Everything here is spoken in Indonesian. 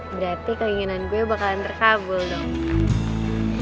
berarti keinginan gue bakalan terkabul dong